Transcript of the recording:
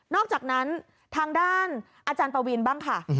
อกจากนั้นทางด้านอาจารย์ปวีนบ้างค่ะ